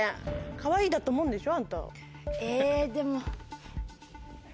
「かわいい」だと思うんでしょ？